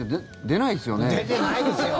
出てないですよ。